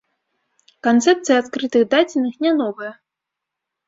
Канцэпцыя адкрытых дадзеных не новая.